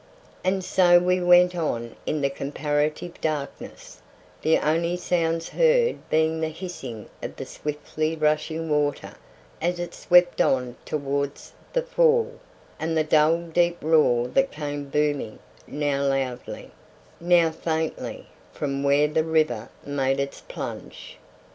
And so we went on in the comparative darkness, the only sounds heard being the hissing of the swiftly rushing water as it swept on towards the fall, and the dull deep roar that came booming now loudly, now faintly, from where the river made its plunge.